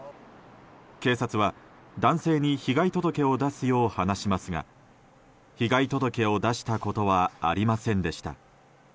警察は男性に被害届を出すよう話しますが被害届を出したことはありませんでした。